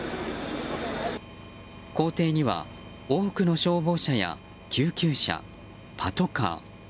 校庭には多くの消防車や救急車、パトカー。